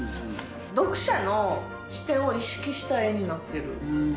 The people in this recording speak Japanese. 読者の視点を意識した絵になってる。